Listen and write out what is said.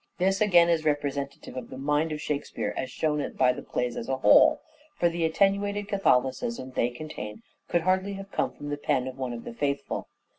This again is representative of the mind of Shakespeare as shown by the plays as a whole : for the attenuated Catholicism they contain could hardly have come from the pen of one of the faithful.